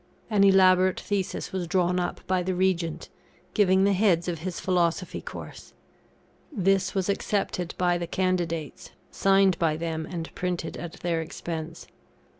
An elaborate Thesis was drawn up by the Regent, giving the heads of his philosophy course; this was accepted by the candidates, signed by them, and printed at their expense.